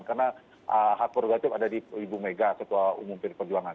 karena hak prerogatif ada di ibu mega setelah umum pilih perjuangan